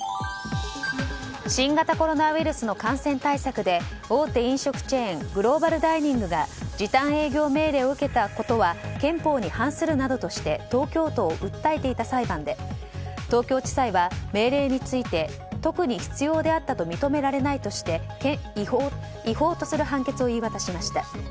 新型コロナウイルスの感染対策で大手飲食チェーングローバルダイニングが時短営業命令を受けたことは憲法に反するなどとして東京都を訴えていた裁判で東京地裁は命令について特に必要であったと認められないとして違法とする判決を言い渡しました。